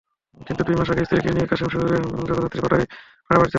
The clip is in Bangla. কিন্তু দুই মাস আগে স্ত্রীকে নিয়ে কাশেম শহরের জগধাত্রীপাড়ায় ভাড়া বাড়িতে ওঠেন।